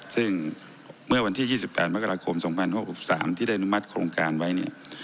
ซึ่งเมื่อวันที่๒๘มกราคม๒๐๖๓ที่ได้อนุมัติโครงการไว้เนี่ย